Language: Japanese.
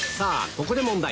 ここで問題